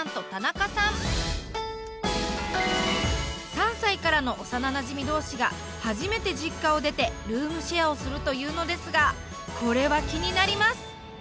３歳からの幼なじみ同士が初めて実家を出てルームシェアをするというのですがこれは気になります！